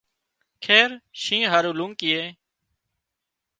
خير شينهن هارو لونڪيئي